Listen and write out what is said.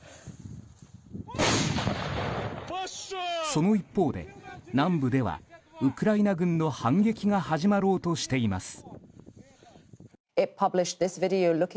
その一方で、南部ではウクライナ軍の反撃が始まろうとしています。